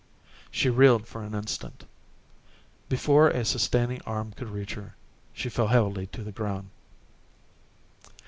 She reeled for an instant. Before a sustaining arm could reach her, she fell heavily to the ground.